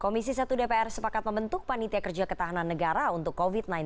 komisi satu dpr sepakat membentuk panitia kerja ketahanan negara untuk covid sembilan belas